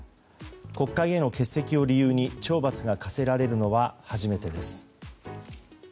国会への欠席を理由に懲罰が科せられるのは初めてです。